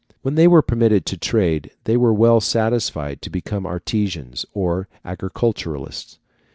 When they were permitted to trade they were well satisfied to become artisans or agriculturists.